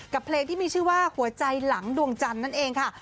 เพลงที่มีชื่อว่าหัวใจหลังดวงจันทร์นั่นเองค่ะ